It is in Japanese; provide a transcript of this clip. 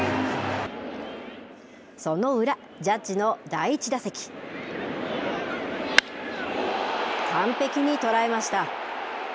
その裏、ジャッジの第１打席完璧に捉えました。